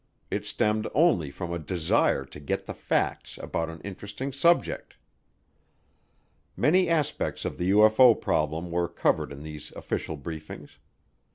It stemmed only from a desire to get the facts about an interesting subject. Many aspects of the UFO problem were covered in these official briefings.